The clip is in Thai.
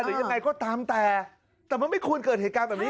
หรือยังไงก็ตามแต่แต่มันไม่ควรเกิดเหตุการณ์แบบนี้